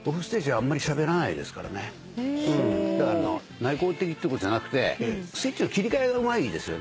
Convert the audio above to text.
内向的ってことじゃなくてスイッチの切り替えがうまいですよね。